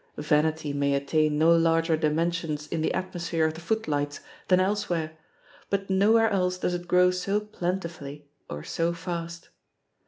Vanity may attain no larger dimen sions in the atmosphere of the footlights than elsewhere, but nowhere else does it grow so plen tifully, or so fast.